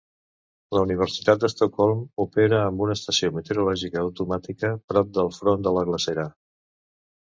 La Universitat d'Estocolm opera amb una estació meteorològica automàtica prop del front de la glacera.